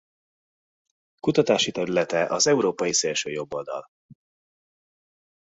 Kutatási területe az európai szélsőjobboldal.